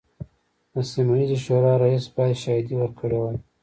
د سیمه ییزې شورا رییس باید شاهدې ورکړي وای.